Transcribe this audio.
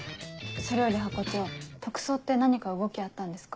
それよりハコ長特捜って何か動きあったんですか？